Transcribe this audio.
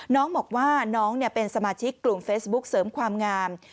น้องบอกว่าน้องเป็นสมาชิกกลุ่มเฟซบุ๊คเสริมความงาม